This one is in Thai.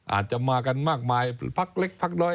อาจจะมากันมากมายพักเล็กพักน้อย